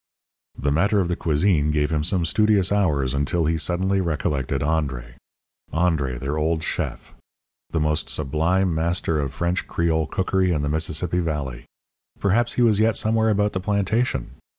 The matter of the cuisine gave him some studious hours until he suddenly recollected André André, their old chef the most sublime master of French Creole cookery in the Mississippi Valley. Perhaps he was yet somewhere about the plantation.